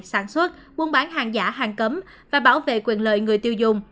sản xuất buôn bán hàng giả hàng cấm và bảo vệ quyền lợi người tiêu dùng